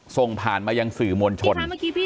ส่งผ่านมายังสื่อมวลชน